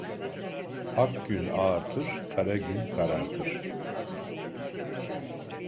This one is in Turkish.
Ak gün ağartır, kara gün karartır.